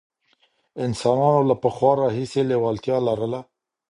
انسانانو له پخوا راهیسې لېوالتیا لرله.